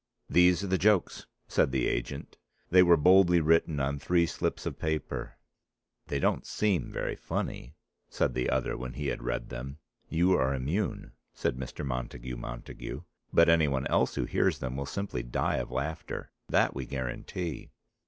"These are the jokes," said the agent. They were boldly written on three slips of paper. "They don't seem very funny," said the other when he had read them. "You are immune," said Mr. Montagu Montague, "but anyone else who hears them will simply die of laughter: that we guarantee."